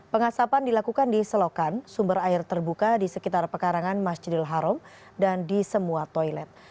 pengasapan dilakukan di selokan sumber air terbuka di sekitar pekarangan masjidil haram dan di semua toilet